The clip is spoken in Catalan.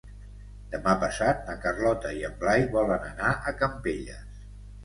Demà passat na Carlota i en Blai volen anar a Campelles.